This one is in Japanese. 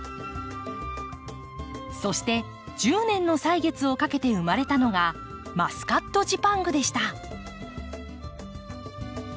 そして１０年の歳月をかけて生まれたのがマスカットジパングでした。